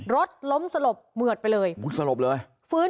รถล้มสลบเหมือดไปเลย